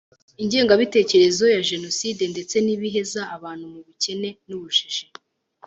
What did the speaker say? ingengabitekerezo ya jenoside ndetse n’ibiheza abantu mu bukene n’ubujiji